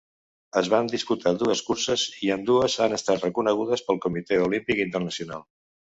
Es van disputar dues curses, i ambdues han estat reconegudes pel Comitè Olímpic Internacional.